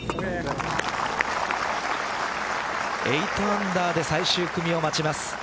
８アンダーで最終組を待ちます。